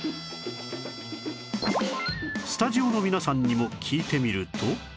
スタジオの皆さんにも聞いてみると